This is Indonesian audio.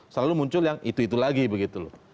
selalu muncul yang itu itu lagi begitu loh